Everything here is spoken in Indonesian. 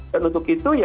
dan untuk itu ya